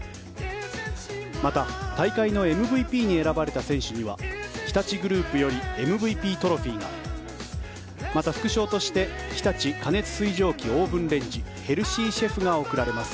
また、大会のＭＶＰに選ばれた選手には日立グループよりＭＶＰトロフィーがまた、副賞として日立過熱水蒸気オーブンレンジヘルシーシェフが贈られます。